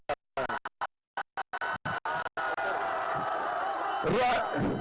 di luar hukum karena kita sudah menang bersama kita